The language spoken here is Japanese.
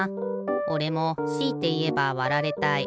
おれもしいていえばわられたい。